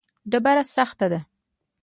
ډبره سخته ده.